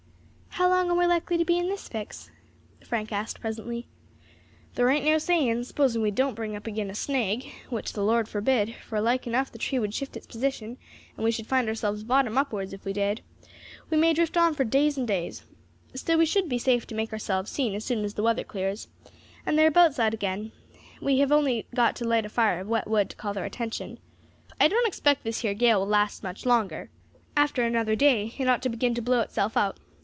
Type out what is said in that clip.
"How long are we likely to be in this fix?" Frank asked presently. "Thar ain't no saying; supposing we don't bring up agin a snag which the Lord forbid, for like, enough, the tree would shift its position, and we should find ourselves bottom upwards if we did we may drift on for days and days. Still, we shall be safe to make ourselves seen as soon as the weather clears, and there are boats out again; we have only got to light a fire of wet wood to call their attention. I don't expect this here gale will last much longer; after another day it ought to begin to blow itself out.